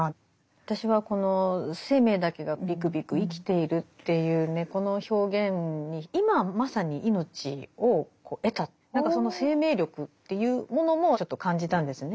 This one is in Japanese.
私はこの「生命だけがびくびく生きている」っていうねこの表現に今まさに命を得た何かその生命力っていうものもちょっと感じたんですよね。